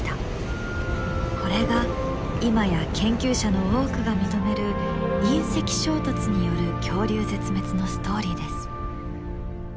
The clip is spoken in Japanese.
これが今や研究者の多くが認める隕石衝突による恐竜絶滅のストーリーです。